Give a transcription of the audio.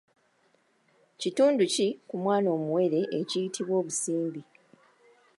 Kitundu ki ku mwana omuwere ekiyitibwa obusimbi?